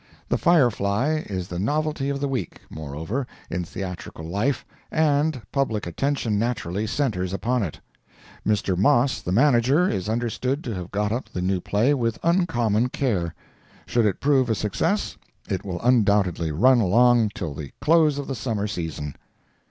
'The Fire Fly' is the novelty of the week, moreover, in theatrical life, and public attention naturally centres upon it. Mr. Moss, the manager, is understood to have got up the new play with uncommon care. Should it prove a success, it will undoubtedly run along till the close of the summer season."